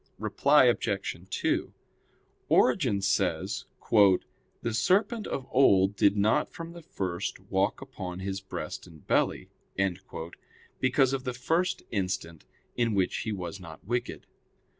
Reply Obj. 2: Origen says, "The serpent of old did not from the first walk upon his breast and belly," because of the first instant in which he was not wicked.